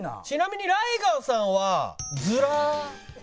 ちなみにライガーさんはヅラ。